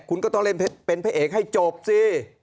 คุณก็ต้องเล่นเป็นพระเอกให้จบสิ